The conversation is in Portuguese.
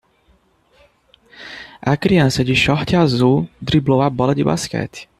A criança de short azul driblou a bola de basquete.